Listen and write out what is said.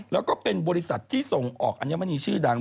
แล้วก็เป็นบริษัทที่ส่งออกอัญมณีชื่อดัง